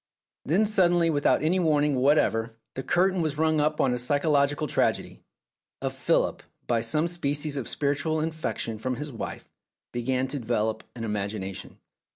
Then suddenly without any warning whatever the curtain was rung up on a psychological tragedy; for Philip, by some species of spiritual infection from his wife, began to develop an imagination.